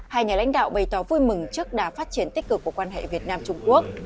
hai nhà lãnh đạo bày tỏ vui mừng trước đà phát triển tích cực của quan hệ việt nam trung quốc